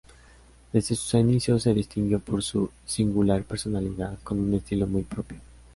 Desde sus inicios se distinguió por su singular personalidad con un estilo muy propio.